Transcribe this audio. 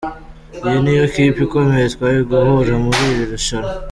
" Iyi ni yo kipe ikomeye twari guhura muri iri rushanwa.